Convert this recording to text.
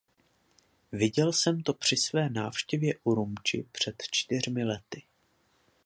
Viděl jsem to při své návštěvě Urumči před čtyřmi lety.